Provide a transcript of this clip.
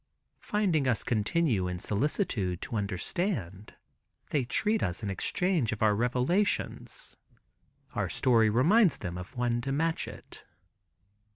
Finding us continue in solicitude to understand, they treat us in exchange of our revelations. Our story reminds them of one to match it.